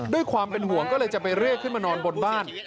ด้วยความเป็นห่วงก็เลยจะไปเรียกขึ้นมานอนบนบ้าน